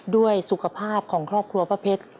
ด้วยสุขภาพของครอบครัวป้าเพชร